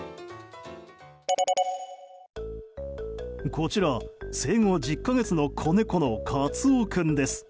こちら、生後１０か月の子猫のカツヲ君です。